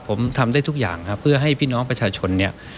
ผมทำได้ทุกอย่างครับเพื่อให้พี่น้องประชาชนเนี่ย